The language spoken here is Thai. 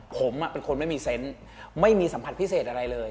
ผมเป็นคนไม่มีเซนต์ไม่มีสัมผัสพิเศษอะไรเลย